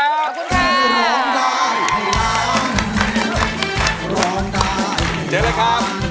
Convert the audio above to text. ่า